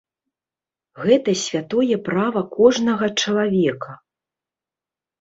Гэта святое права кожнага чалавека.